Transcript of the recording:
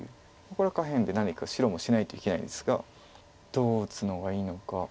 これは下辺で何か白もしないといけないですがどう打つのがいいのか。